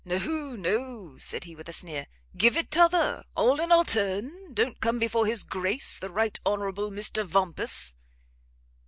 "No, no," said he, with a sneer, "give it t'other; all in our turn; don't come before his Grace the Right Honourable Mr Vampus."